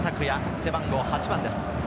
背番号８番です。